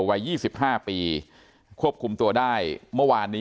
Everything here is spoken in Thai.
วัย๒๕ปีควบคุมตัวได้เมื่อวานนี้